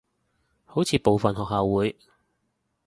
好似部份學校會